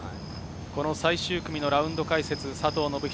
最終組のラウンド解説・佐藤信人